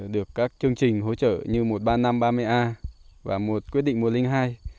được các chương trình hỗ trợ như một trăm ba mươi năm ba mươi a và quyết định mùa linh hai